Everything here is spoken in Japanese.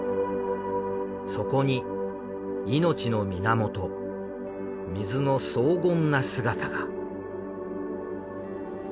そこに命の源水の荘厳な姿が。